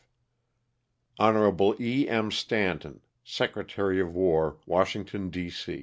''Hon. E. M. Stanton, Secretary of War, Washington, D.